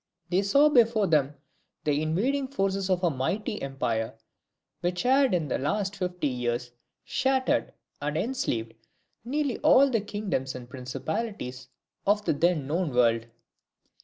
They saw before them the invading forces of a mighty empire, which had in the last fifty years shattered and enslaved nearly all the kingdoms and principalities of the then known world.